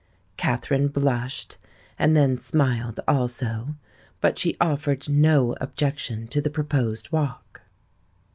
Katherine blushed, and then smiled also; but she offered no objection to the proposed walk.